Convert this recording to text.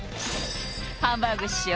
ハンバーグ師匠